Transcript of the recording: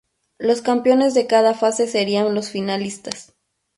Los campeones de cada fase serían los finalistas.